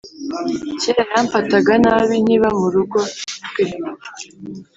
kera yamfataga nabi nkiba mu rugo rwe